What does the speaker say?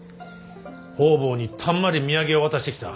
方々にたんまり土産を渡してきた。